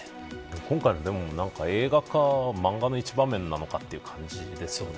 今回のデモ、映画か漫画の一場面かという感じですよね。